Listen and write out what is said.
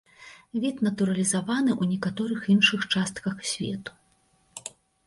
Від натуралізаваны ў некаторых іншых частках свету.